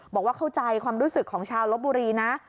บอกว่าเข้าใจความรู้สึกของชาวลบบุรีนะ